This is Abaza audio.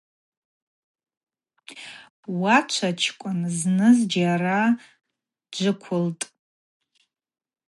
Уачвачкӏвын зны зджьара дджвыквылтӏ.